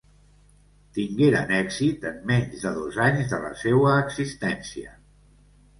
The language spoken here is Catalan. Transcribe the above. Tingueren èxit en menys de dos anys de la seua existència.